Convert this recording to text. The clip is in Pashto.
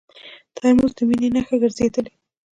ترموز د مینې نښه ګرځېدلې.